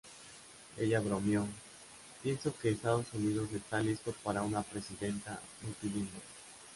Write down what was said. Ella bromeó: "Pienso que Estados Unidos está listo para una presidenta multilingüe.